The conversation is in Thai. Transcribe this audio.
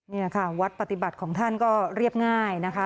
นี่ค่ะวัดปฏิบัติของท่านก็เรียบง่ายนะคะ